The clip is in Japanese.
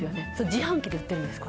自販機で売ってるんです